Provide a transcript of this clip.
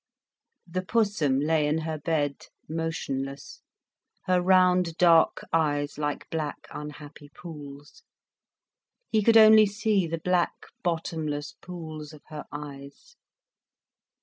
The Pussum lay in her bed, motionless, her round, dark eyes like black, unhappy pools. He could only see the black, bottomless pools of her eyes.